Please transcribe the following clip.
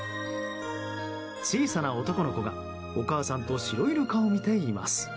小さな男の子が、お母さんとシロイルカを見ています。